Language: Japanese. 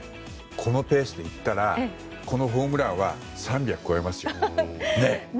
このペースでいったらこのホームランは３００を超えますよ。